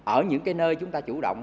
ở những cái nơi chúng ta chủ động